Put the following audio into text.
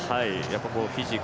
フィジー